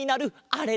あれ？